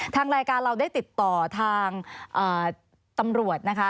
ทางรายการเราได้ติดต่อทางตำรวจนะคะ